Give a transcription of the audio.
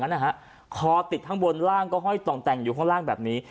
นะฮะคอติดข้างบนล่างก็ห้อยต่องแต่งอยู่ข้างล่างแบบนี้